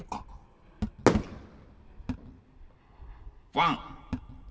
ワン。